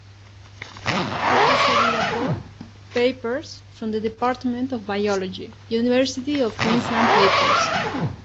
Fue precedida por "Papers from the Department of Biology, University of Queensland Papers".